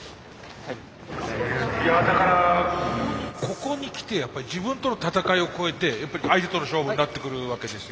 ここにきてやっぱり自分との闘いを超えて相手との勝負になってくるわけですよね。